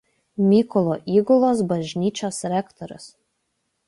Mykolo Įgulos bažnyčios rektorius.